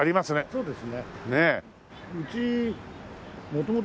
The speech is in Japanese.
そうです。